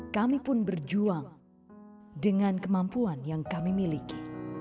kami pun berjuang dengan kemampuan yang kami miliki